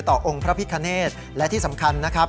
องค์พระพิคเนตและที่สำคัญนะครับ